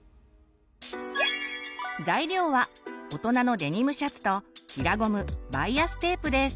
材料は大人のデニムシャツと平ゴムバイアステープです。